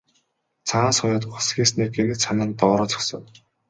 Цагаан соёот ухасхийснээ гэнэт санан доороо зогсов.